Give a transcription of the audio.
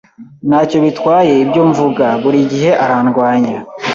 Ntacyo bitwaye ibyo mvuga, burigihe arandwanya.